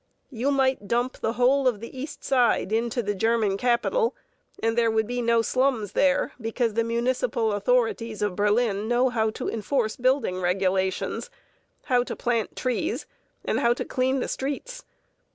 You might dump the whole of the East Side into the German capital and there would be no slums there, because the municipal authorities of Berlin know how to enforce building regulations, how to plant trees, and how to clean the streets.